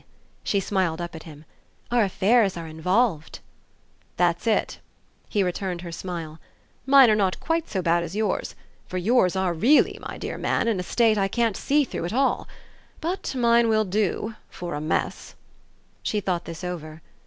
She smiled up at him. "Our affairs are involved." "That's it." He returned her smile. "Mine are not quite so bad as yours; for yours are really, my dear man, in a state I can't see through at all. But mine will do for a mess." She thought this over.